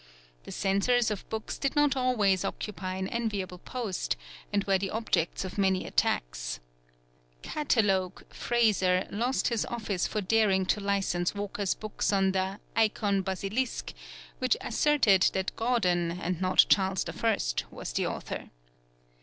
The censors of books did not always occupy an enviable post, and were the objects of many attacks. "Catalogue" Fraser lost his office for daring to license Walker's book on the Eikon Basilike, which asserted that Gauden and not Charles I. was the author.